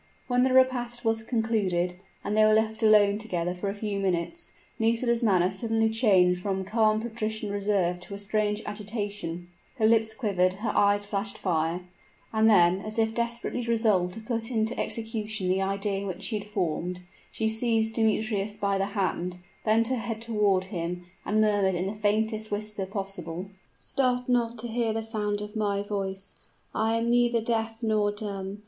When the repast was concluded, and they were left alone together for a few minutes, Nisida's manner suddenly changed from calm patrician reserve to a strange agitation her lips quivered, her eyes flashed fire; and then, as if desperately resolved to put into execution the idea which she had formed, she seized Demetrius by the hand, bent her head toward him, and murmured in the faintest whisper possible, "Start not to hear the sound of my voice! I am neither deaf nor dumb.